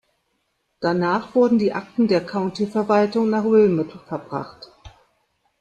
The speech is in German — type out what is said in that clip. Danach wurden die Akten der Countyverwaltung nach Wilmot verbracht.